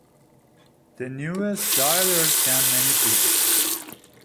The newest dialers can manipulate.